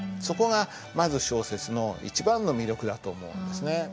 そこがまず小説の一番の魅力だと思うんですね。